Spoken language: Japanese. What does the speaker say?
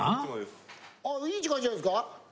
いいんじゃないですか？